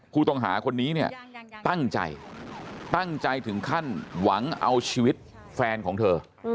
ผู้ต้องหาคนนี้เนี่ยตั้งใจตั้งใจถึงขั้นหวังเอาชีวิตแฟนของเธอ